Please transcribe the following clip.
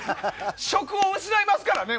職を失いますからね。